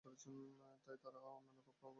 তাই তারা অন্যান্য অক্ষ অন্তর্ভুক্ত করেন।